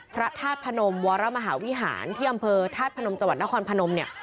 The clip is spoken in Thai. พระธาตุปะโนมววฮที่อำเภอถาศปะโนมจพนพ